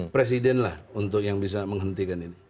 presiden lah untuk yang bisa menghentikan ini